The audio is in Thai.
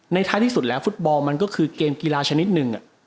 ท้ายที่สุดแล้วฟุตบอลมันก็คือเกมกีฬาชนิดหนึ่ง